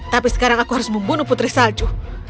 tapi sekarang aku harus membunuh putri salju